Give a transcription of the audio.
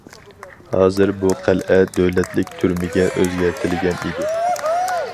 ھازىر بۇ قەلئە دۆلەتلىك تۈرمىگە ئۆزگەرتىلگەن ئىدى.